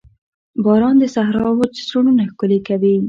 باران د صحرا وچ زړونه ښکلي کوي.